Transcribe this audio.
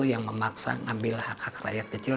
yang memaksa ngambil hak hak rakyat kecil